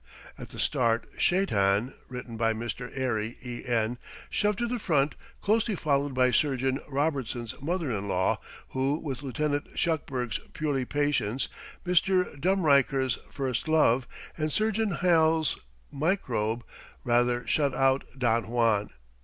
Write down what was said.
At the start Shaitan (ridden by Mr. Airey, E. N.) shoved to the front, closely followed by Surgeon Robertson's Mother in law, who, with Lieutenant Shuckburg's Purely Patience, Mr. Dumreicher's First Love, and Surgeon Halle's Microbe, rather shut out Don Juan.